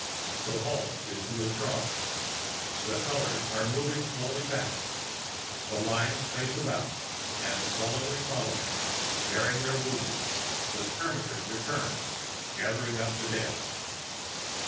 To halt is to withdraw. The colors move slowly back, the lines face about and sullenly follow, bearing their wounded; the skirmishers return, gathering up the dead.